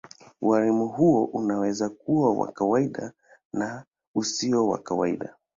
Ualimu huo unaweza kuwa wa kawaida na usio wa kawaida.